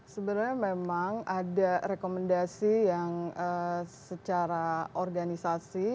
sebenarnya memang ada rekomendasi yang secara organisasi